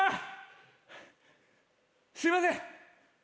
すいません。